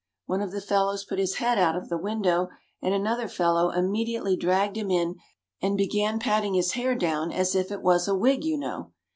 One of the fellows put his head out of the window, and another fellow immediately dragged him in and began patting his hair down as if it was a wig, you know.